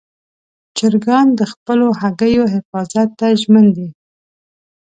چرګان د خپلو هګیو حفاظت ته ژمن دي.